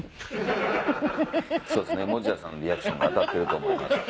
そうですね持田さんのリアクションが当たってると思います。